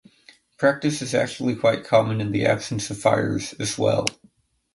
The practice is actually quite common in the absence of fires, as well.